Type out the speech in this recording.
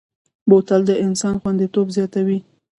بوتل د انسان خوندیتوب زیاتوي.